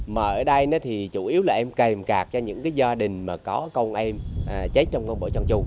mở ở đây thì chủ yếu là em kèm cạt cho những gia đình mà có công em chết trong công bộ trang trung